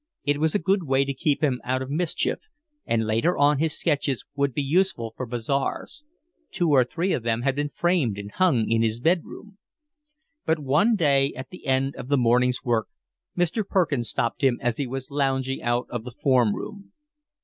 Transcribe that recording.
It was a good way to keep him out of mischief, and later on his sketches would be useful for bazaars. Two or three of them had been framed and hung in his bed room. But one day, at the end of the morning's work, Mr. Perkins stopped him as he was lounging out of the form room.